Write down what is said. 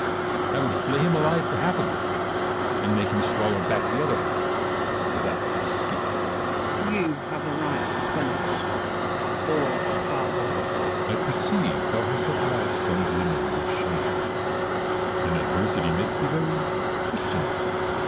I would flay him alive for half of them, and make him swallow back the other half without his skin. Wallace. Few have a right to punish ; all to pardon. Edioard. I perceive thou hast at last some glimmering of shame ; and adversity makes thee very Christian like. Wallace.